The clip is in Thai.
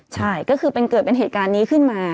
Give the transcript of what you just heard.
ใช่ก็คือเกิดเป็นเหตุการณ์นี้ขึ้นมา